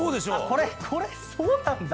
これそうなんだ。